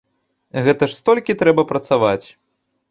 Гэта ж столькі трэба працаваць.